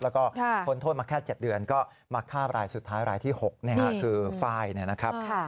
แล้วก็พ้นโทษมาแค่๗เดือนก็มาฆ่ารายสุดท้ายรายที่๖คือไฟล์นะครับ